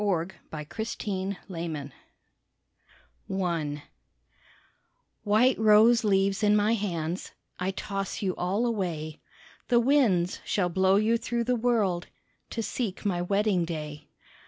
THREE SONGS IN A GARDEN I White rose leaves in my hands, I toss you all away; The winds shall blow you through the world To seek my wedding day.